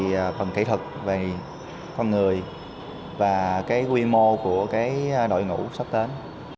về phần kỹ thuật về con người và cái quy mô của cái đội ngũ sắp tới